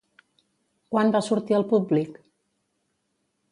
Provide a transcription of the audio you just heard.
Quan va sortir al públic?